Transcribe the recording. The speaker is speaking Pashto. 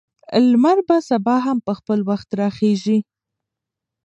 لمر به سبا هم په خپل وخت راخیژي.